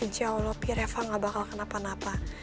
ya allah pi reva gak bakal kenapa napa